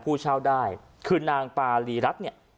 ผู้เช่าได้คือนางปารีรัฐเนี่ย